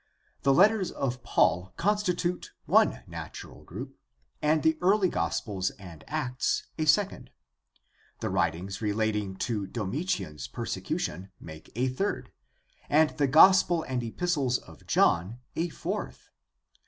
The letters of Paul constitute one natural group, and the early gospels and Acts a second. The writings relating to Domitian's persecution make a third, and the Gospel and Epistles of John a fourth.